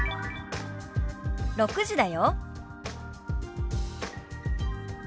「６時だよ」。